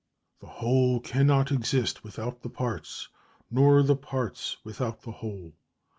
The whole can not exist without the parts, nor the parts without the whole.